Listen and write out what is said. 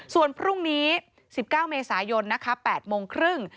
ส่วนพรุ่งนี้๑๙เมษายนนะคะ๘โมงครึ่ง